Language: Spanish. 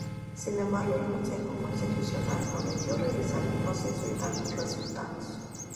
Sin embargo el Consejo Constitucional prometió revisar el proceso y dar los resultados.